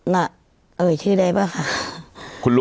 น่ะเอ่ยชื่อได้ป่ะคะ